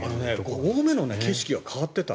五合目の景色が変わってた。